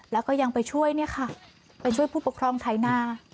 แล้วก็ยังไปช่วยเนี่ยค่ะไปช่วยผู้ปกครองไถนา